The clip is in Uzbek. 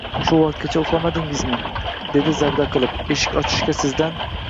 —Shu vaqtgacha uxlamadingizmi! — dedim zarda qilib. — Eshik ochishga sizdan